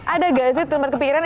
ada gak sih tempat kepikiran